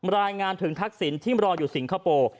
รายงานถึงทักษิณที่รออยู่สิงคโปร์